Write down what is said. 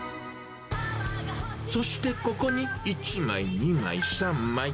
そしてここに、１枚、２枚、３枚。